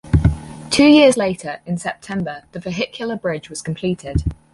Two years later, in September, the vehicular bridge was completed.